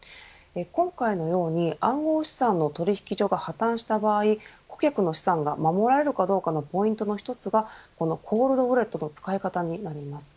今回のように暗号資産の取引所が破綻した場合顧客の資産が守られるかどうかのポイントの一つがこのコールドウォレットの使い方になります。